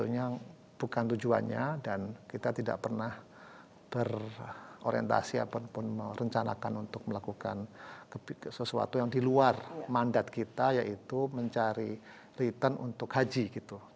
sebetulnya bukan tujuannya dan kita tidak pernah berorientasi ataupun merencanakan untuk melakukan sesuatu yang di luar mandat kita yaitu mencari return untuk haji gitu